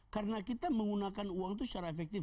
karena kita menggunakan uang itu secara efektif